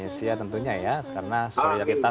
tapi saya yakin gerakannya akan semakin besar dan membesar